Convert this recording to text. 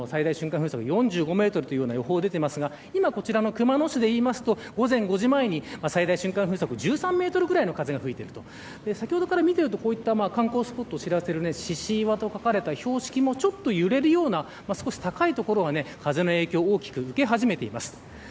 風速４５メートルという予想が出ていますが今こちらの熊野市でいうと午前５時前に最大瞬間風速１３メートルぐらいの風が吹いている先ほどから見ていると観光スポットを知らせる標識も少し高い所が風の影響を大きく受け始めています。